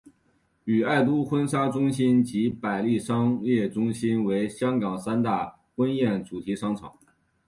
与爱都婚纱中心及百利商业中心为香港三大婚宴主题商场。